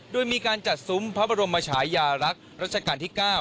โดยมีการจัดซุ้มพระบรมชายารักษ์รัชกาลที่๙